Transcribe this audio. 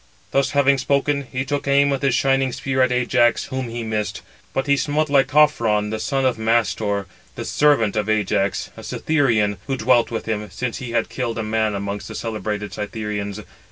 Thus having spoken, he took aim with his shining spear at Ajax, whom he missed; but [he smote] Lycophron, the son of Mastor, the servant of Ajax, a Cytherean, who dwelt with him, since he had killed a man amongst the celebrated Cythereans.